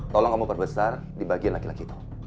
tolong kamu perbesar di bagian laki laki